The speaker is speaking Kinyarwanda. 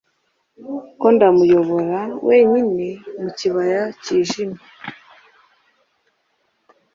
ko ndamuyobora wenyine mu kibaya cyijimye